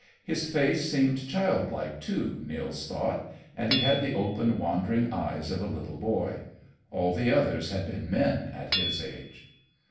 His face seemed childlike, too, Nils thought, and he had the open, wandering eyes of a little boy. All the others had been men at his age.